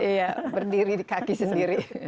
iya berdiri di kaki sendiri